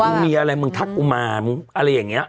มีอะไรมึงทักกูมามึงอะไรอย่างนี้